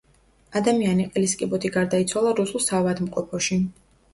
ადამიანი ყელის კიბოთი გარდაიცვალა რუსულ საავადმყოფოში.